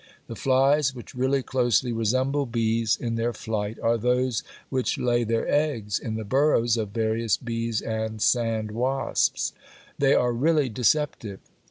The flies which really closely resemble bees in their flight are those which lay their eggs in the burrows of various bees and sandwasps. They are really deceptive.